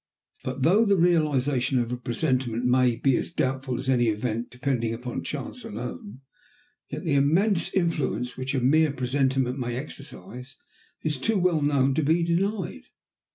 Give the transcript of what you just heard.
But though the realisation of a presentiment may be as doubtful as any event depending upon chance alone, yet the immense influence which a mere presentiment may exercise is too well known to be denied.